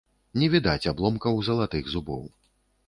Не відаць абломкаў залатых зубоў.